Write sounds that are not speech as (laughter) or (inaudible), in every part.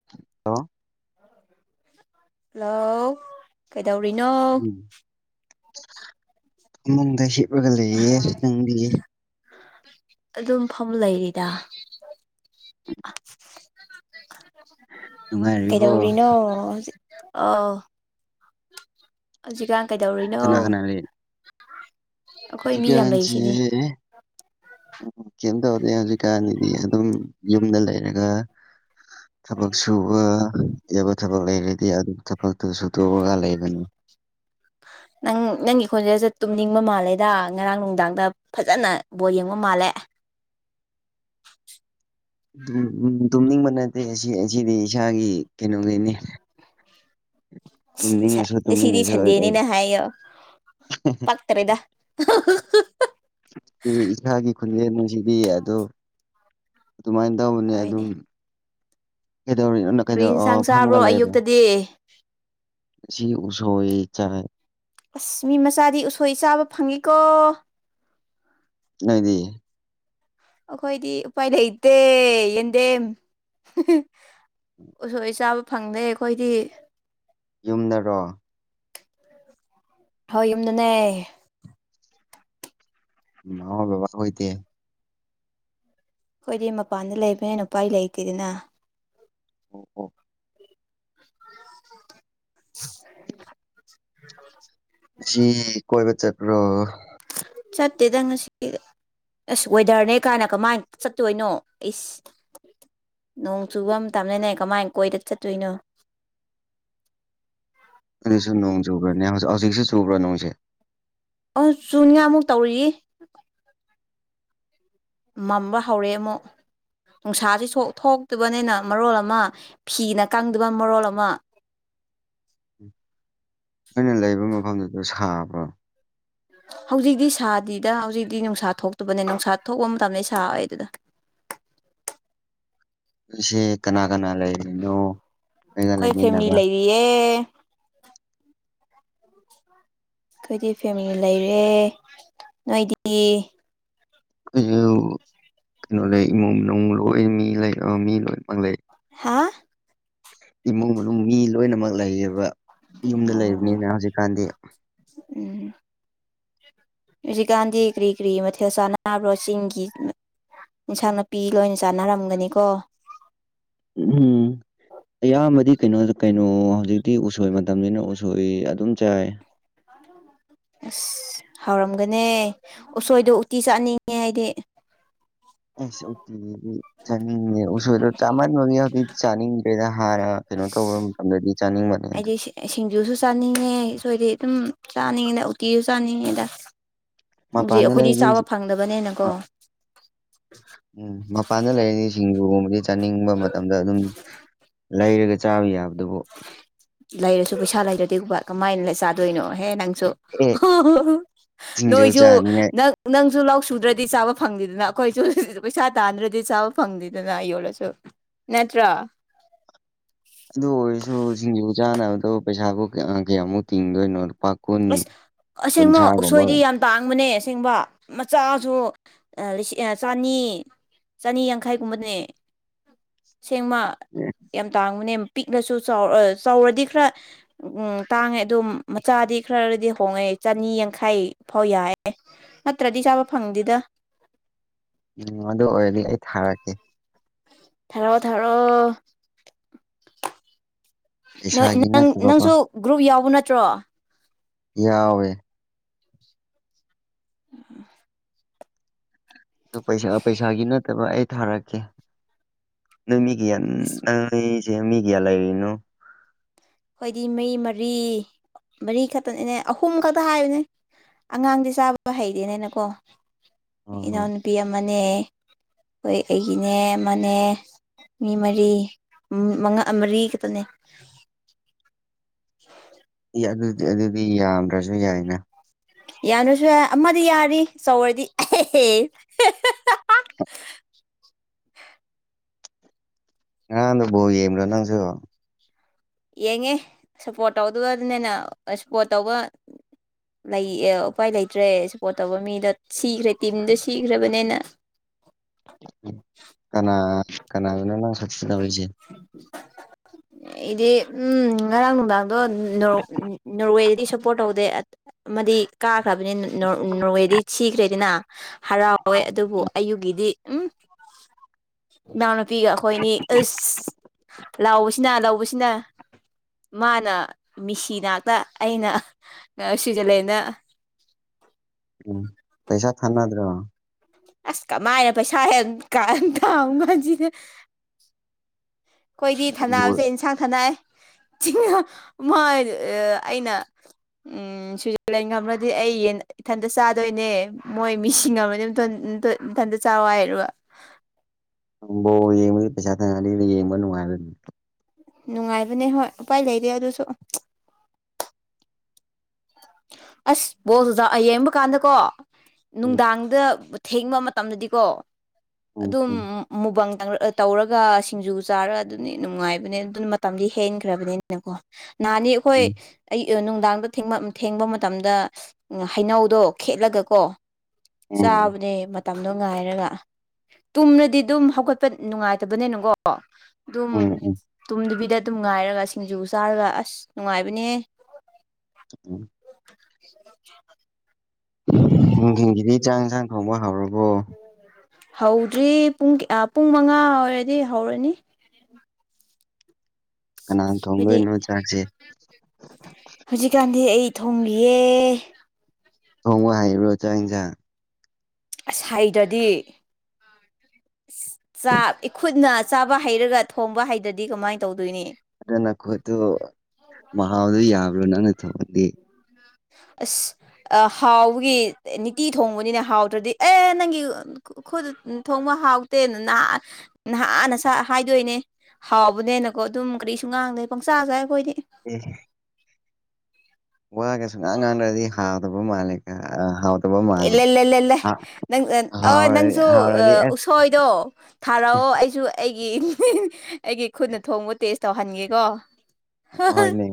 (unintelligible) hello ꯀꯩꯗꯧꯔꯤꯅꯣ ꯏꯃꯨꯡꯗ ꯍꯤꯞꯂꯒ ꯂꯩꯌꯦ ꯅꯪꯗꯤ ꯑꯗꯨꯝ ꯐꯐꯝ ꯂꯩꯔꯤꯗ ꯅꯨꯡꯉꯥꯏꯔꯤꯕꯣ ꯀꯩꯗꯧꯔꯤꯅꯣꯖꯤ ꯑꯥꯎ ꯍꯧꯖꯤꯛꯀꯥꯟ ꯀꯩꯗꯧꯔꯤꯅꯣ ꯀꯅꯥ ꯑꯩꯈꯣꯏ ꯍꯧꯖꯤ ꯃꯤ ꯌꯥꯝ ꯂꯩꯔꯤꯁꯤꯗꯤ ꯀꯁꯤꯦ ꯎꯝ ꯀꯩꯝ ꯇꯧꯗꯦ ꯍꯧꯖꯤꯛꯀꯥꯟꯗꯤꯗꯤ ꯑꯗꯨꯝ ꯌꯨꯝꯗ ꯂꯩꯔꯒ ꯊꯕꯛ ꯁꯨꯕ ꯌꯥꯕ ꯊꯕꯛ ꯂꯩꯔꯗꯤ ꯑꯗꯨ ꯊꯕꯛꯇꯨ ꯁꯨꯇꯣꯛꯑꯒ ꯂꯩꯕꯅꯤ ꯅꯪ ꯅꯪꯒꯤ ꯈꯣꯟꯖꯦꯜꯁꯦ ꯇꯨꯝꯅꯤꯡꯕ ꯃꯥꯜꯂꯦꯗ ꯉꯔꯥꯡ ꯅꯨꯡꯗꯥꯡꯗ ꯐꯖꯅ ꯕꯣꯟ ꯌꯦꯡꯕ ꯃꯥꯜꯂꯦ ꯇꯨꯝꯅꯤꯡꯕ ꯅꯠꯇꯦ ꯑꯁꯤ ꯑꯁꯤꯗꯤ ꯏꯁꯥꯒꯤ ꯀꯩꯅꯣꯈꯩꯅꯤ (unintelligible) ꯉꯁꯤꯗꯤ ꯇꯨꯝꯅꯤꯡꯉꯁꯨ ꯁꯟꯗꯦꯅꯦꯅ ꯍꯥꯏꯌꯣ (unintelligible) ꯏꯁꯥꯒꯤ ꯈꯨꯟꯖꯦꯟ ꯑꯁꯤꯗꯤ ꯑꯗꯣ ꯑꯗꯨꯃꯥꯏꯅ ꯇꯧꯕꯅꯦ ꯍꯣꯏꯅꯦ ꯑꯗꯨꯝ ꯀꯗꯧꯔꯤꯅꯣ ꯀ꯭ꯔꯤ ꯏꯟꯁꯥꯡ ꯆꯥꯕ꯭ꯔꯣ ꯑꯌꯨꯛꯇꯗꯤ ꯁꯤ ꯎꯁꯣꯏ ꯆꯥꯏ ꯑꯁ ꯃꯤ ꯃꯆꯥꯗꯤ ꯎꯁꯣꯏ ꯆꯥꯕ ꯐꯪꯉꯤꯀꯣ ꯅꯗꯤ ꯑꯩꯈꯣꯏꯗꯤ ꯎꯄꯥꯏ ꯂꯩꯇꯦ ꯌꯦꯟꯗꯦꯝ ꯎꯠꯁꯣꯏ ꯆꯥꯕ ꯐꯪꯗꯦ ꯑꯩꯈꯣꯏꯗꯤ ꯌꯨꯝꯗꯔꯣ ꯍꯣꯏ ꯌꯨꯝꯗꯅꯦ ꯃꯥ ꯕꯕꯥ ꯍꯣꯏꯇꯤ ꯑꯩꯈꯣꯏꯗꯤ ꯃꯄꯥꯟꯗ ꯂꯩꯕꯅꯦꯅ ꯎꯄꯥꯏ ꯂꯩꯇꯦꯗꯅ ꯑꯣ ꯑꯣ (unintelligible) ꯁꯤ ꯀꯣꯏꯕ ꯆꯠ꯭ꯄꯔꯣ ꯆꯠꯇꯦꯗ ꯉꯥꯁꯤꯗꯤ ꯑꯁ ꯋꯦꯗꯔꯅꯦ ꯀꯥꯏꯅ ꯀꯃꯥꯏꯅ ꯆꯠꯇꯣꯏꯅꯣ ꯑꯩꯁ ꯅꯣꯡ ꯆꯨꯕ ꯃꯇꯝꯅꯦꯅꯦ ꯀꯃꯥꯏ ꯀꯣꯏꯗ ꯆꯠꯇꯣꯏꯅꯣ ꯑꯗꯨꯁꯨ ꯅꯣꯡ ꯆꯨꯕ꯭ꯔꯅꯦꯖꯤꯛ ꯍꯧꯖꯤꯛꯁꯨ ꯆꯨꯕ꯭ꯔꯥ ꯅꯣꯡꯁꯦ ꯑ ꯆꯨꯅꯤꯉꯥꯏꯃꯨꯛ ꯇꯧꯔꯤꯌꯦ ꯃꯝꯕ ꯍꯧꯔꯛꯑꯦ ꯑꯃꯨꯛ ꯅꯨꯡꯁꯥꯥꯁꯤ ꯁꯣꯛ ꯊꯣꯛꯇꯕꯅꯤꯅ ꯃꯔꯣꯜ ꯑꯃ ꯐꯤꯅ ꯀꯪꯗꯕ ꯃꯔꯣꯜ ꯑꯃ ꯑꯩꯅ ꯂꯩꯕ ꯃꯐꯝꯗꯨꯗ ꯁꯥꯕ꯭ꯔꯣ ꯍꯧꯖꯤꯛꯇꯤ ꯁꯥꯗꯗ ꯍꯧꯖꯤꯛꯇꯤ ꯅꯨꯡꯁꯥ ꯊꯣꯛꯇꯕꯅꯦ ꯅꯨꯡꯁꯥ ꯊꯣꯛꯄ ꯃꯇꯝꯗ ꯁꯥ ꯑꯣꯏ ꯑꯗꯨꯅ ꯁꯤ ꯀꯅꯥ ꯀꯅꯥ ꯂꯩꯔꯤ ꯑꯩꯈꯣꯏ ꯐꯦꯃꯤꯂꯤ ꯂꯩꯔꯤꯌꯦ ꯑꯩꯈꯣꯏꯗꯤ ꯐꯦꯃꯤꯂꯤ ꯂꯩꯔꯦ ꯅꯣꯏꯗꯤ ꯑꯩ ꯀꯩꯅꯣ ꯂꯩ ꯏꯃꯨꯡ ꯃꯅꯨꯡ ꯂꯣꯏ ꯃꯤ ꯂꯩ ꯃꯤ ꯂꯣꯏꯅꯃꯛ ꯂꯩ ꯍꯥ ꯏꯃꯨꯡ ꯃꯅꯨꯡ ꯃꯤ ꯂꯣꯏꯅꯃꯛ ꯂꯩꯔꯤꯕ ꯌꯨꯝꯗ ꯑꯣ ꯂꯩꯕꯅꯤꯅ ꯍꯧꯖꯤꯛꯀꯥꯟꯗꯤ ꯎꯝ ꯍ ꯖꯤꯀꯥꯟꯗꯤ ꯀꯔꯤ ꯀꯔꯤ ꯃꯊꯦꯜ ꯁꯥꯟꯅꯕꯣꯁꯤꯡꯒꯤ ꯏꯟꯁꯥꯡ ꯅꯥꯄꯤ ꯂꯣꯏꯅ ꯆꯥꯟꯅꯔꯝꯒꯅꯤ ꯀꯣ ꯎꯝ ꯑꯌꯥꯝꯕꯗꯤ ꯀꯩꯅꯣ ꯀꯩꯅꯣ ꯍꯧꯖꯤꯛꯇꯤ ꯎꯁꯣꯏ ꯃꯇꯝꯅꯤꯁꯤꯅ ꯎꯁꯣꯏ ꯑꯗꯨꯝ ꯆꯥꯏ ꯑ ꯑꯁ ꯍꯥꯎꯔꯝꯒꯅꯦ ꯎꯁꯣꯏꯗꯣ ꯎꯇꯤ ꯆꯥꯅꯤꯡꯉꯦ ꯑꯩꯗꯤ (unintelligible) ꯆꯥꯅꯤꯡꯉꯦ ꯎꯁꯣꯏꯗꯣ ꯆꯥꯝꯃꯟꯕꯒꯤ ꯍꯧꯖꯤꯛ ꯆꯥꯅꯤꯡꯗ꯭ꯔꯦꯗ ꯍꯥꯔ ꯀꯩꯅꯣ ꯇꯧꯕ ꯃꯇꯝꯗꯗꯤ ꯆꯥꯅꯤꯡꯕꯅꯦ ꯑꯗꯣ ꯑꯩꯗꯤ ꯁꯤꯡꯖꯨꯁꯨ ꯆꯥꯅꯤꯡꯉꯦ ꯎꯁꯣꯏꯗꯤ ꯑꯗꯨꯝ ꯆꯥꯅꯤꯡꯉꯤꯅ ꯎꯇꯤꯁꯨ ꯆꯥꯅꯤꯡꯉꯦꯗ ꯑꯗꯨꯗꯤ ꯃꯄꯥꯟꯗ ꯑꯩꯈꯣꯏꯗꯤ ꯂꯩꯔꯗꯤ ꯆꯥꯕ ꯐꯪꯗꯕꯅꯦꯅꯀꯣ ꯎꯝ ꯃꯄꯥꯟꯗ ꯂꯩꯔꯅꯤ ꯁꯤꯡꯖꯨꯒꯕꯒꯤ ꯆꯥꯅꯤꯡꯕ ꯃꯇꯝꯗ ꯑꯗꯨꯝ ꯂꯩꯔꯒ ꯆꯥꯕ ꯌꯥꯕꯗꯨꯕꯨ ꯂꯩꯔꯁꯨ ꯄꯩꯁꯥ ꯂꯩꯔꯗꯤꯒꯨꯝꯕ ꯀꯃꯥꯏꯅ ꯆꯥꯗꯣꯏꯅꯣꯍꯦ ꯅꯪꯁꯨ ꯑꯦ ꯁꯤꯡꯖꯨ ꯅꯣꯏꯁꯨꯣ ꯆꯥꯅꯤꯡꯉꯥꯏ ꯅ ꯅꯪꯁꯨ ꯂꯧ ꯁꯨꯗ꯭ꯔꯗꯤ ꯆꯥꯕ ꯐꯪꯗꯦꯗꯅ ꯑꯩꯈꯣꯏꯁꯨ ꯄꯩꯁꯥ ꯇꯥꯟꯗ꯭ꯔꯗꯤ ꯆꯥꯕ ꯐꯪꯗꯦꯗꯅ ꯌꯣꯜꯂꯁꯨ ꯅꯠꯇ꯭ꯔ ꯑꯗꯨ ꯑꯣꯏꯔꯁꯨ ꯁꯤꯡꯖꯨ ꯆꯥꯅꯕꯗ ꯄꯩꯁꯥꯕꯨ ꯀꯌꯥ ꯀꯌꯥꯃꯨꯛ ꯇꯤꯡꯗꯣꯏꯅꯣ ꯂꯨꯄꯥꯛ ꯑꯁ ꯑꯁꯦꯡꯃꯛ ꯑꯁꯣꯏꯗꯤ ꯌꯥꯝ ꯇꯥꯡꯕꯅꯦ ꯑꯁꯦꯡꯕ ꯃꯆꯥꯁꯨꯁꯤꯡ ꯆꯅꯤ ꯆꯅꯤ ꯌꯥꯡꯈꯥꯏꯒꯨꯝꯕꯅꯦ ꯁꯦꯡꯃ ꯌꯥꯝ ꯇꯥꯡꯕꯅꯦ ꯄꯤꯛꯂꯁꯨ ꯆꯥꯎꯔꯗꯤ ꯈꯔ ꯇꯥꯡꯉꯦ ꯑꯗꯨꯝ ꯃꯆꯥꯗꯤ ꯈꯔꯔꯗꯤ ꯍꯣꯡꯉꯛꯦ ꯆꯅꯤ ꯌꯥꯡꯈꯥꯏ ꯐꯥꯎ ꯌꯥꯑꯦ ꯅꯠꯇ꯭ꯔꯗꯤ ꯆꯥꯕ ꯐꯪꯗꯦꯗ ꯎꯝ ꯑꯗꯨ ꯑꯣꯏꯔꯗꯤ ꯑꯩ ꯊꯥꯔꯛꯀꯦ ꯊꯔꯣ ꯊꯥꯔꯣ ꯅꯣꯏ ꯄꯩꯁꯥꯒꯤ ꯅꯪ ꯅꯠꯇꯕꯀꯣ ꯅꯪꯁꯨ ꯒ꯭ꯔꯨꯞ ꯌꯥꯎꯕ ꯅꯠꯇ꯭ꯔꯣ ꯌꯥꯋꯦ ꯑꯗꯨ ꯄꯩꯁ ꯄꯩꯁꯥꯒꯤ ꯅꯠꯇꯕ ꯑꯩ ꯊꯥꯔꯛꯀꯦ ꯅꯣꯏ ꯃꯤꯒꯌꯥ ꯑꯁ ꯅꯁꯦ ꯃꯤꯒꯌꯥ ꯂꯩꯔꯤꯅꯨ ꯑꯩꯣꯏꯗꯤ ꯃꯩ ꯃꯔꯤ ꯃꯔꯤ ꯈꯛꯇꯅꯦꯅꯦ ꯑꯍꯨꯝ ꯈꯛꯇ ꯍꯥꯏꯕꯅꯦ ꯑꯉꯥꯡꯗꯤ ꯆꯥꯕ ꯍꯩꯔꯦꯅꯦꯅꯀꯣ ꯑꯣ ꯍꯣ ꯏꯅꯥꯎꯅꯨꯄꯤ ꯑꯃꯅꯦ ꯍꯣꯏ ꯑꯩꯒꯤꯅꯦ ꯑꯃꯅꯦ ꯃꯤ ꯃꯔꯤ ꯃꯉꯥ ꯃꯔꯤ ꯈꯛꯇꯅꯦ ꯍ ꯑꯗꯨꯗꯤ ꯑꯗꯨꯗꯤ ꯌꯥꯝꯗ꯭ꯔꯁꯨ ꯌꯥꯏꯅ ꯌꯥꯅꯁꯨ ꯌꯥꯏ ꯑꯃꯗꯤ ꯌꯥꯔꯤ ꯆꯥꯎꯧꯔꯗꯤ ꯑꯦ ꯑꯥꯣ ꯧ ꯌꯦꯡ ꯂꯣ ꯅꯪꯁꯨꯣ ꯌꯦꯡꯉꯦ ꯁꯞꯄꯣꯔꯠ ꯇꯧꯗꯨꯒ ꯑꯗꯨꯅꯤꯅ ꯁꯞꯄꯣꯔꯠ ꯇꯧꯕ ꯂꯩ ꯎꯄꯥꯏ ꯂꯩꯇ꯭ꯔꯦ ꯁꯄꯣꯔꯠ ꯇꯧꯕ ꯃꯤꯗꯣ ꯁꯤꯈ꯭ꯔꯦ ꯇꯤꯝꯗꯣ ꯁꯤꯈ꯭ꯔꯕꯅꯤꯅ ꯀꯅꯥ ꯀꯅꯥꯗꯨꯅ ꯅꯪ ꯁꯛꯁꯤ ꯇꯧꯔꯤꯁꯦ ꯎꯝ ꯑꯩꯗꯤ ꯎꯝ ꯉꯔꯥꯡ ꯅꯨꯡꯗꯥꯡꯗꯣ ꯅꯣꯔꯋꯦꯗꯗꯤ ꯁꯞꯄꯣꯔꯠ ꯇꯧꯗꯦ ꯑꯃꯗꯤ ꯀꯥꯈ꯭ꯔꯕꯅꯤ ꯅꯣꯔꯋꯦꯗꯤ ꯊꯤꯈ꯭ꯔꯦꯗꯅ ꯍꯔꯥꯎꯋꯦ ꯑꯗꯨꯕꯨ ꯑꯌꯨꯒꯤꯗꯤ ꯎꯝ ꯏꯅꯥꯎꯅꯨꯄꯤꯒ ꯑꯩꯈꯣꯏꯅꯤ ꯏꯁꯁ ꯂꯥꯎ ꯁꯤꯅꯥ ꯂꯧꯕꯕꯁꯤꯅ ꯃꯥꯅ ꯃꯤꯁꯤꯅꯥꯛꯇ ꯑꯩꯅ ꯁ꯭ꯋꯤꯖꯔꯂꯦꯟꯗ ꯎꯝ ꯄꯩꯁꯥ ꯊꯥꯅꯗ꯭ꯔꯣ ꯑꯁ ꯀꯃꯥꯏꯅ ꯄꯩꯁꯥ ꯍꯦ ꯀꯥꯟ ꯊ ꯉꯁꯤꯅꯦ ꯑꯩꯈꯣꯏꯗꯤ ꯕꯣꯜ ꯊꯥꯟꯅꯕꯁꯦ ꯏꯟꯁꯥꯡ ꯊꯥꯟꯅꯥꯩ ꯑꯩꯅ ꯎꯝ ꯁ꯭ꯋꯤꯖꯔꯂꯦꯟꯒ꯭ꯔꯗꯤ ꯑꯩ ꯌꯦꯟ ꯏꯊꯟꯇ ꯆꯥꯗꯣꯏꯅꯦ ꯃꯣꯏ ꯃꯤꯁꯤꯡ ꯑꯃꯅꯤꯅꯦ ꯏꯊꯟꯇ ꯆꯥꯏ ꯍꯥꯏꯔꯕ ꯕꯣ ꯌꯦꯡꯗꯤ ꯄꯩꯁꯥ ꯊ ꯌꯦꯡꯅꯨꯡ ꯃꯥ ꯅꯨꯡꯉꯥꯏꯕꯅꯦ ꯍꯣꯏ ꯎꯄꯥꯏ ꯂꯩꯗꯦ ꯑꯗꯨꯁꯨ ꯑꯁ ꯕꯣꯜ ꯑꯣꯖꯥ ꯌꯦꯡꯕ ꯀꯥꯟꯗ ꯀꯣ ꯎꯝ ꯅꯨꯡꯗꯥꯡ ꯑꯗꯨꯗ ꯊꯦꯡꯕ ꯃꯇꯝꯗꯗꯤꯀꯣ ꯑꯗꯨꯝ ꯎꯝ ꯃꯨꯕꯪ ꯇꯧꯔꯒ ꯁꯤꯡꯖꯨ ꯆꯥꯔ ꯑꯗꯨꯅꯤ ꯅꯨꯡꯉꯥꯏꯕꯅꯦ ꯑꯗꯨꯅ ꯃꯇꯝꯗꯤ ꯍꯦꯟꯈ꯭ꯔꯕꯅꯤ ꯅꯍꯥꯟꯅꯤ ꯑꯩꯈꯣꯏ ꯎꯝ ꯑꯩ ꯅꯨꯡꯗꯥꯡꯗ ꯊꯦꯡꯕ ꯃꯇꯝꯗ ꯎ ꯍꯩꯅꯧꯗꯣ ꯈꯦꯠꯂꯒꯀꯣ ꯎꯝ ꯆꯥꯕꯅꯦ ꯃꯇꯝꯗꯣ ꯉꯥꯏꯔꯒ ꯇꯨꯝꯅꯗꯤ ꯑꯗꯨꯝ ꯍꯧꯒꯠꯄ ꯅꯨꯡꯉꯥꯏꯇꯕꯅꯦꯅꯀꯣ ꯑꯗꯨꯝ ꯎꯝ ꯎꯝ ꯎꯝ ꯇꯨꯝꯗꯨꯕꯤꯗ ꯑꯗꯨꯝ ꯉꯥꯏꯔꯒ ꯁꯤꯡꯖꯨ ꯆꯥꯔꯒ ꯑꯁ ꯅꯨꯡꯉꯥꯏꯕꯅꯦꯍꯦ ꯎꯝ (inaudible) ꯅꯨꯡꯊꯤꯟꯒꯤꯗꯤ ꯆꯥꯡ ꯏꯟꯁꯥꯡ ꯊꯣꯡꯕ ꯍꯧꯔꯕꯣ ꯍꯧꯗ꯭ꯔꯤ ꯄꯨꯡ ꯄꯨꯡ ꯃꯉꯥ ꯑꯣꯏꯔꯗꯤ ꯍꯧꯔꯅꯤ ꯀꯅꯥꯟ ꯑꯩꯈꯣꯏꯗꯤ ꯊꯣꯡꯂꯣꯏꯅꯣ ꯆꯥꯛꯁꯦ ꯍꯧꯖꯤꯛꯀꯥꯟꯗꯤ ꯑꯩ ꯊꯣꯡꯂꯤꯌꯦ ꯊꯣꯡꯉꯣ ꯍꯥꯏꯔꯤꯕ꯭ꯔꯣ ꯆꯥꯛ ꯌꯦꯟꯁꯥꯡ ꯑꯁ ꯍꯩꯇ꯭ꯔꯗꯤ ꯆꯥꯛ ꯏꯈꯨꯠꯅ ꯑꯆꯥꯥꯕ ꯍꯩꯔꯒ ꯊꯣꯡꯕ ꯍꯩꯗꯗꯤ ꯀꯃꯥꯏꯅ ꯇꯧꯗꯣꯏꯅꯤ ꯑꯗꯨ ꯅꯈꯣꯠꯇꯨ ꯃꯍꯥꯎꯗꯣ ꯌꯥꯕ꯭ꯔꯣ ꯅꯪꯅ ꯊꯣꯡꯗꯗꯤ ꯑꯁ ꯍꯥꯎꯕꯒꯤ ꯅꯤꯇꯤ ꯊꯣꯡꯕꯅꯤꯅ ꯍꯥꯎꯗ꯭ꯔꯗꯤ ꯑꯦ ꯅꯪꯒꯤ ꯈꯨꯗ ꯊꯣꯡꯕ ꯍꯥꯎꯇꯦꯅ ꯅꯍ ꯅꯍꯥꯟꯅ ꯍꯥꯏꯗꯣꯏꯅꯦ ꯍꯥꯎꯕꯅꯦꯅꯀꯣ ꯑꯗꯨꯝ ꯀꯔꯤꯁꯨ ꯉꯥꯡꯗ꯭ꯔꯦ ꯄꯪꯆꯥꯁꯥꯏ ꯑꯩꯈꯣꯏꯗꯤ ꯎꯝ ꯋꯥꯒꯁꯨ ꯉꯥꯡ ꯉꯥꯡꯗ꯭ꯔꯗꯤ ꯍꯥꯎꯗꯕ ꯃꯥꯜꯂꯦꯒ ꯂꯦꯂꯦ ꯂꯦꯂꯦ ꯅꯪ ꯑ ꯍꯥꯎꯔꯗꯤ ꯅꯪꯁꯨ ꯍꯥꯎꯔꯗꯤ ꯑꯁ ꯎꯁꯣꯏꯗꯣ ꯊꯥꯔꯛꯑꯣ ꯑꯩꯁꯨ ꯑꯩꯒꯤ ꯑꯩꯒꯤ ꯈꯨꯠꯅ ꯊꯣꯡꯕ ꯇꯦꯁ ꯇꯧꯍꯟꯒꯦꯀꯣ ꯍꯣꯅꯦ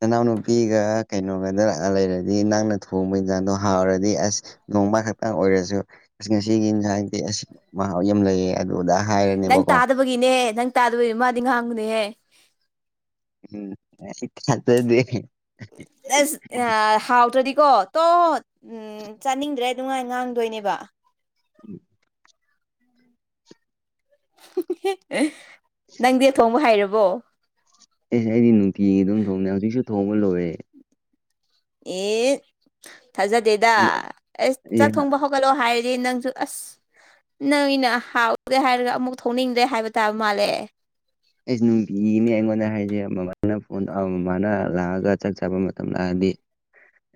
ꯅꯅꯥꯎꯅꯨꯄꯤꯒ ꯀꯩꯅꯣꯒꯗ ꯂꯛꯑ ꯂꯩꯔꯗꯤ ꯅꯪꯅ ꯊꯣꯡꯕ ꯏꯟꯁꯥꯡꯗꯣ ꯍꯥꯎꯔꯗꯤ ꯑꯁ ꯅꯣꯡꯃ ꯈꯛꯇꯪ ꯑꯣꯏꯔꯁꯨ ꯑ ꯉꯁꯤꯒꯤꯏꯟꯖꯥꯗꯤ ꯑꯁ ꯃꯍꯥꯎ ꯌꯥꯝ ꯂꯩꯌꯦ ꯑꯗꯨꯗ ꯅꯪ ꯍꯥꯏꯔꯅꯦꯕꯀꯣ ꯇꯥꯗꯕꯒꯤꯅꯦ ꯅꯪ ꯇꯥꯗꯕꯒꯤꯅꯦ ꯃꯥꯗꯤ ꯉꯥꯡꯕꯅꯦꯍꯦ ꯎꯝ ꯈꯟꯗ꯭ꯔꯗꯤ ꯑꯦꯁ ꯍꯥꯎ ꯇꯗꯤꯀꯣ ꯇꯣ ꯎꯝ ꯆꯥꯅꯤꯡꯗ꯭ꯔꯦ ꯅꯨꯡꯉꯥꯏ ꯉꯥꯡꯗꯣꯏꯅꯦꯕ ꯎꯝ ꯅꯪꯗꯤ ꯑ ꯊꯣꯡꯕ ꯍꯩꯏꯔꯕꯣ ꯑꯦꯁ ꯑꯩꯗꯤ ꯅꯨꯡꯇꯤꯒꯤ ꯑꯗꯨꯝ ꯊꯣꯡꯅꯦ ꯍꯧꯖꯤꯛꯁꯨ ꯊꯣꯡꯕ ꯂꯣꯏꯔꯦ ꯑꯦ ꯊꯥꯖꯗꯦꯗ ꯑꯦꯁ ꯑꯦ ꯆꯥꯛ ꯊꯣꯡꯕ ꯍꯧ ꯒꯠꯂꯣ ꯍꯥꯏꯔꯗꯤꯦ ꯅꯪꯁꯨ ꯑꯁ ꯅꯪ ꯑꯩꯅ ꯍꯥꯎꯔꯗꯦ ꯍꯥꯏꯔꯒ ꯑꯃꯨꯛ ꯊꯧꯅꯤꯡꯗ꯭ꯔꯦ ꯍꯥꯏꯕ ꯇꯥꯕ ꯃꯥꯜꯂꯦ ꯑꯩꯁ ꯅꯨꯡꯇꯤꯒꯤꯅꯦ ꯑꯩꯉꯣꯟꯗ ꯍꯥꯏꯁꯦ ꯃꯃꯥꯅ ꯐꯣꯟ ꯃꯃꯥꯅ ꯂꯥꯛꯑꯒ ꯆꯥꯛ ꯆꯥꯕ ꯃꯇꯝ ꯂꯥꯛꯑꯗꯤ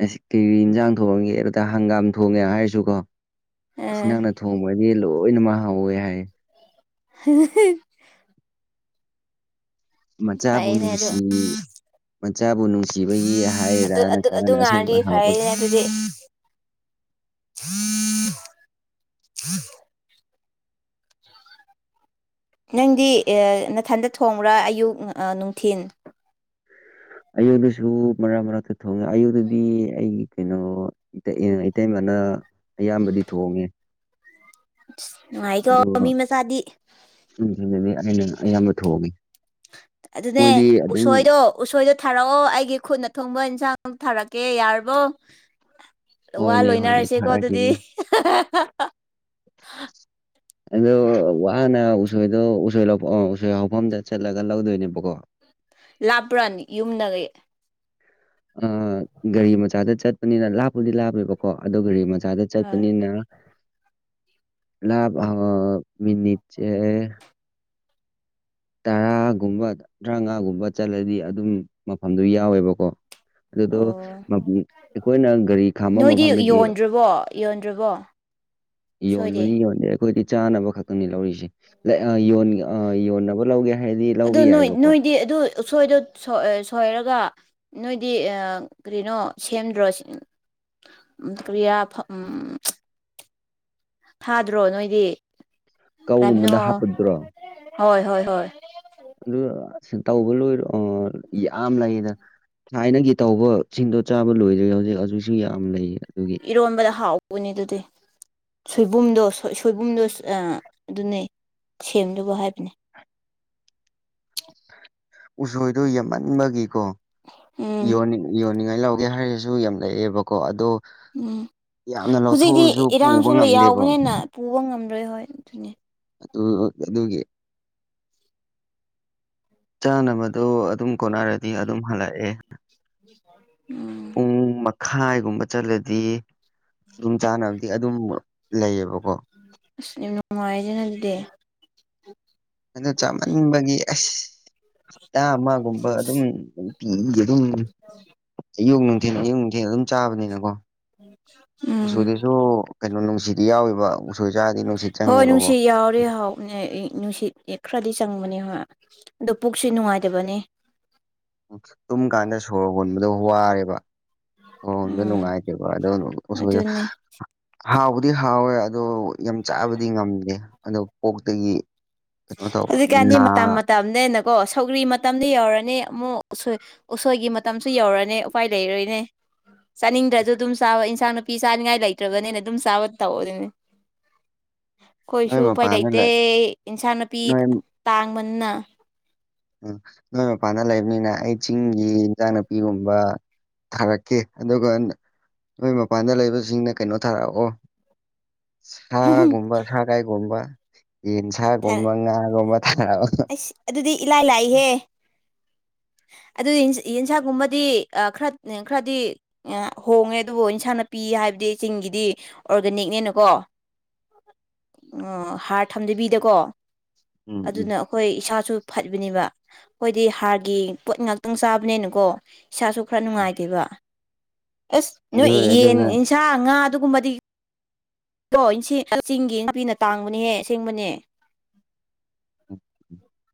ꯑꯁ ꯀꯩꯀ ꯏꯟꯖꯥꯡ ꯊꯣꯡꯉꯝꯒꯦ ꯑꯗꯨꯗ ꯍꯪꯒꯥꯝ ꯊꯣꯡꯉꯦ ꯍꯥꯏꯔꯁꯨ ꯀꯣ ꯏ ꯑ ꯅꯛꯅ ꯊꯣꯡꯕꯗꯤ ꯂꯣꯏꯅꯃꯛ ꯍꯧꯥꯎꯋꯦ ꯍꯥꯏ ꯍꯤ ꯍꯤ ꯃꯆꯥꯕꯨ ꯐꯩꯅꯦ ꯑꯗꯨ ꯅꯨꯡꯁꯤ ꯃꯆꯥꯕꯨ ꯅꯨꯡꯁꯤꯕꯒꯤ ꯍꯥꯏꯔꯥ ꯑꯗꯨ ꯑꯗꯨ ꯑꯗꯨ ꯅꯠꯇ꯭ꯔꯒꯅ ꯉꯥꯏꯔꯗꯤ ꯑꯁꯦꯡꯕ ꯍꯥꯎꯕꯒꯤ (inaudible) ꯅꯪꯗꯤ ꯅꯊꯟꯗ ꯊꯣꯡꯕ꯭ꯔꯥ ꯑꯌꯨꯛ ꯅꯨꯡꯊꯤꯟ ꯑꯌꯨꯗꯁꯨ ꯃꯔꯛ ꯃꯔꯛꯇ ꯊꯣꯡꯉꯦ ꯑꯌꯨꯗꯗꯤ ꯑꯩꯒꯤ ꯀꯩꯅꯣ ꯏꯇꯩꯃꯅ ꯑꯌꯥꯝꯕꯗꯤ ꯊꯣꯡꯉꯦ ꯑ ꯅꯨꯡꯉꯥꯏꯈ ꯃꯤ ꯃꯆꯥꯗꯤ ꯎꯝ ꯑꯗꯨꯗꯤ ꯑꯩꯅ ꯑꯌꯥꯝꯕ ꯊꯣꯛꯑꯒꯦ ꯑꯗꯨꯅꯦ ꯎꯁꯣꯏꯗꯣ ꯎꯁꯣꯏꯗꯣ ꯊꯥꯔꯛꯑꯣ ꯑꯩꯒꯤ ꯈꯨꯠꯅ ꯊꯣꯡꯕ ꯏꯟꯁꯥꯡ ꯊꯥꯔꯛꯀꯦ ꯌꯥꯔꯕꯣ ꯋꯥ ꯍꯣꯏꯅꯦ ꯍꯣꯏꯅꯦ ꯂꯣꯏꯅꯔꯁꯤꯦꯀꯣ ꯑꯗꯨꯗꯤ ꯊꯥꯔꯛꯀꯦꯅꯦ (inaudible) ꯑꯗꯣ ꯋꯥꯅ ꯎꯁꯣꯏꯗꯣ ꯎꯁꯣꯏ ꯑ ꯎꯁꯣꯏ ꯍꯐꯝꯗ ꯆꯠꯂꯒ ꯂꯧꯗꯣꯏꯅꯦꯕꯀꯣ ꯂꯥꯞꯄ꯭ꯔꯅꯤ ꯌꯨꯝꯗꯒꯤ ꯑ ꯒꯥꯔꯤ ꯃꯆꯥꯗ ꯆꯠꯄꯅꯤꯅ ꯂꯥꯞꯄꯨꯗꯤ ꯂꯥꯞꯄꯦꯕꯀꯣ ꯑꯗꯣ ꯒꯥꯔꯤ ꯃꯆꯥꯗ ꯍꯣꯏ ꯆꯈꯅꯤꯅ ꯃꯤꯅꯤꯦ ꯇꯔꯥꯒꯨꯝꯕ ꯇꯔꯥꯃꯉꯥꯒꯨꯝꯕ ꯆꯠꯂꯗꯤ ꯑꯗꯨꯝ ꯃꯐꯝꯗꯨ ꯌꯥꯎꯋꯦꯕꯀꯣ ꯑꯗꯨꯗꯣ ꯑꯣ ꯑꯩꯈꯣꯏꯅ ꯒꯥꯔꯤ ꯈꯥꯝꯕ ꯃꯐꯝꯗꯒꯤ ꯌꯣꯟꯗ꯭ꯔꯔꯤꯕꯣ ꯌꯣꯟꯕꯗꯤ ꯌꯣꯟꯅꯦ ꯑꯩꯈꯣꯏꯗꯤ ꯆꯥꯅꯕ ꯈꯛꯇꯅꯤ ꯂꯧꯔꯤꯁꯦ ꯌꯣꯟꯅꯕ ꯂꯧꯒꯦ ꯍꯥꯏꯔꯗꯤ ꯂꯧꯕ ꯑꯗꯨ ꯅꯣꯏ ꯌꯥꯏꯑꯕꯀꯣ ꯅꯣꯏꯗꯤ ꯑꯗꯨ ꯁꯣꯏꯗꯣ ꯁꯣꯏꯔꯒ ꯅꯣꯏꯗꯤ ꯀꯔꯤꯩꯅꯣ ꯁꯦꯝꯗ꯭ꯔꯣ ꯃꯗꯨ ꯀꯔꯤꯌꯥ ꯎꯝ ꯊꯥꯗ꯭ꯔꯣ ꯅꯣꯏꯗꯤ ꯀꯕꯅꯣ ꯀꯧꯒꯨꯝꯕꯗ ꯍꯥꯞꯄꯗ꯭ꯔꯣ ꯍꯣꯏ ꯍꯣꯏ ꯍꯣꯏ ꯑꯗꯨ ꯑ ꯇꯧꯕ ꯂꯣꯏꯔꯣ ꯌꯥꯝ ꯂꯩꯌꯦꯗ ꯊꯥꯏꯅꯒꯤ ꯇꯧꯕ ꯁꯤꯡꯗꯣ ꯆꯥꯕ ꯂꯣꯏꯗ꯭ꯔꯦ ꯍꯧꯖꯤꯛ ꯍꯧꯖꯤꯛꯁꯨ ꯌꯥꯝ ꯂꯩ ꯑꯗꯨ ꯏꯔꯣꯟꯕꯗ ꯍꯥꯎꯕꯅꯦ ꯑꯗꯨꯗꯤ ꯁꯣꯏꯕꯨꯝꯗꯣ ꯁꯣꯏꯕꯨꯝꯗꯣ ꯑꯗꯨꯅꯦ ꯁꯦꯝꯗꯕ ꯍꯥꯏꯕꯅꯦ ꯎꯁꯣꯏꯗꯨꯣ ꯌꯥꯝꯦꯝꯃꯟꯕꯒꯤꯀꯣ ꯎꯝ ꯌꯣꯟꯅꯤꯡꯉ ꯌꯣꯟꯅꯤꯡꯉꯥꯏ ꯂꯧꯒꯦ ꯍꯥꯏꯔꯁꯨ ꯌꯥꯝ ꯂꯩꯑꯦꯕꯀꯣ ꯑꯗꯣ ꯎꯝ ꯌꯥꯝꯅ ꯍꯧꯖꯤꯛꯇꯤ ꯂꯧꯊꯣꯛꯎꯔꯁꯨ ꯄꯨꯕ ꯏꯔꯥꯡꯁꯨ ꯂꯣꯏ ꯉꯝꯗꯦꯕ ꯌꯥꯎꯕꯅꯤꯅ ꯄꯨꯕ ꯉꯝꯗ꯭ꯔꯣꯏ ꯍꯣꯏ ꯑꯗꯨꯅꯦ ꯑꯗꯨꯒꯤꯦ ꯆꯥꯅꯕꯗꯣ ꯑꯗꯨꯝ ꯀꯣꯟꯅꯔꯗꯤ ꯑꯗꯨꯝ ꯍꯜꯂꯛꯑꯦ ꯎꯝ ꯈꯥꯏꯒꯨꯝꯕ ꯆꯠꯂꯗꯤ ꯈꯨꯗꯣꯡ ꯆꯥꯅꯕꯗꯤ ꯑꯗꯨꯝ ꯂꯩꯌꯦꯕꯀꯣ ꯑꯁ ꯌꯥꯝ ꯅꯨꯡꯉꯥꯏꯖꯅꯗꯦ ꯑꯗꯣ ꯆꯥꯃꯟꯕꯒꯤ ꯑꯁ ꯆꯥ ꯑꯃꯒꯨꯝꯕ ꯑꯗꯨꯝ ꯄꯤ ꯑꯗꯨꯝ ꯑꯌꯨꯛ ꯅꯨꯡꯊꯤ ꯑꯌꯨꯛ ꯅꯨꯡꯊꯤ ꯑꯗꯨꯝ ꯆꯥꯕꯅꯤꯅꯀꯣ ꯎꯝ ꯎ ꯎꯆꯆꯨꯗꯤꯁꯨ ꯀꯩꯅꯣ ꯅꯨꯡꯁꯤꯗꯤ ꯌꯥꯎꯋꯕ ꯍꯣꯏ ꯅꯨꯡꯁꯤ ꯌꯥꯎꯔꯦ ꯍꯥꯎꯅꯦ ꯅꯨꯡꯁꯤꯠ ꯍ ꯈꯔꯗꯤ ꯆꯪꯕꯅꯦ ꯍꯣꯏ ꯑꯗꯨ ꯄꯨꯛꯁꯨ ꯅꯨꯡꯉꯥꯏꯇꯕꯅꯦ ꯇꯨꯝ ꯀꯥꯟꯗ ꯁꯣꯔ ꯍꯣꯟꯕꯗꯣ ꯋꯥꯔꯦꯕ ꯁꯣꯝꯗ ꯎꯝ ꯅꯨꯡꯉꯥꯏꯇꯦꯕ ꯑꯗꯨꯏꯗ ꯑꯗꯨꯅꯦ ꯍꯥꯎꯕꯗꯤ ꯍꯥꯎꯋꯦ ꯑꯗꯣ ꯌꯥꯝ ꯆꯥꯕꯗꯤ ꯉꯝꯗꯦ ꯑꯗꯣ ꯀꯣꯛꯇꯒꯤ ꯍꯧꯖꯤꯛꯀꯥꯟꯗꯤ ꯃꯇꯝ ꯃꯇꯝꯅꯦꯅꯀꯣ ꯁꯧꯒꯔꯤ ꯃꯇꯝꯗꯤ ꯌꯧꯔꯅꯤ ꯑꯃꯨꯛꯣꯏ ꯎꯁꯣꯏꯒꯤ ꯃꯇꯝꯁꯨ ꯌꯧꯔꯛꯑꯥꯅꯤ ꯎꯄꯥꯏ ꯂꯩꯔꯣꯏꯅꯦ ꯆꯥꯅꯤꯡꯗ꯭ꯔꯁꯨ ꯑꯗꯨꯝ ꯆꯥꯕ ꯏꯟꯁꯥꯡ ꯅꯨꯄꯤ ꯆꯥꯅꯤꯡꯉꯥꯏ ꯂꯩꯇ꯭ꯔꯕꯅꯤꯅ ꯑꯗꯨꯝ ꯆꯥꯕ ꯇꯧꯑꯣ ꯑꯗꯨꯅꯤ ꯅꯣꯏ ꯑꯩꯈꯣꯏꯁꯨ ꯎꯐꯩ ꯃꯄꯥꯟꯗ ꯂꯩꯇꯦ ꯂꯩ ꯏꯟꯁꯥꯡ ꯅꯥꯄꯤ ꯅꯣꯏ ꯇꯥꯡꯕꯅ ꯎꯝ ꯅꯣꯏ ꯃꯄꯥꯟꯗ ꯂꯩꯕꯅꯤꯅ ꯑꯩ ꯆꯤꯡꯒꯤ ꯏꯟꯖꯥꯡ ꯅꯥꯄꯤꯒꯨꯝꯕ ꯊꯥꯔꯛꯀꯦ ꯑꯗꯨꯒ ꯅꯣꯏ ꯃꯄꯥꯟꯗ ꯂꯩꯕꯁꯤꯡꯅ ꯀꯩꯅꯣ ꯊꯥꯔꯛꯑꯣ ꯁꯥꯒꯨꯝꯕ ꯁꯒꯥꯏꯒꯨꯝꯕ ꯌꯦꯟꯁꯥꯒꯨꯝꯕ ꯉꯥꯒꯨꯝꯕ ꯊꯥꯒꯠꯂꯕ ꯑꯁ ꯑꯗꯨꯗꯤ ꯏꯂꯥꯏ ꯂꯥꯏꯍꯦ ꯑꯗꯨ ꯌꯦꯟ ꯌꯦꯟꯁꯥꯡꯒꯨꯝꯕꯗꯤ ꯑ ꯈꯔ ꯈꯔꯗꯤ ꯑ ꯍꯣꯡꯉꯦ ꯑꯗꯨꯕꯨ ꯏꯟꯁꯥꯡ ꯅꯥꯄꯤ ꯍꯥꯏꯕꯗꯤ ꯆꯤꯡꯒꯤꯗꯤ ꯑꯣꯔꯒꯥꯅꯤꯛꯅꯤꯅ ꯀꯣ ꯑ ꯍꯥꯔ ꯊꯝꯗꯕꯤꯗ ꯀꯣ ꯎꯝ ꯎꯝ ꯑꯗꯨꯅ ꯍꯣꯏ ꯏꯁꯥꯁꯨ ꯐꯠꯕꯅꯦꯕ ꯑꯩꯈꯣꯏꯗꯤ ꯍꯥꯔ ꯒꯤ ꯄꯣꯠ ꯉꯥꯛꯇꯪ ꯆꯥꯕꯅꯦꯅ ꯀꯣ ꯏꯁꯥꯁꯨ ꯈꯔ ꯅꯨꯡꯉꯥꯏꯗꯦꯕ ꯑꯁ ꯅꯣꯏ ꯑꯗꯨ ꯌꯦꯟ ꯑꯗꯨꯅ ꯑꯦꯟꯁꯥꯡ ꯉꯥ ꯑꯗꯨꯒꯨꯝꯕꯗꯤ ꯑꯣ ꯏꯁꯤꯡ ꯆꯤꯡꯒꯤ ꯅꯥꯄꯤꯅ ꯇꯥꯡꯕꯅꯦꯍꯦ ꯑꯁꯦꯡꯕꯅꯦ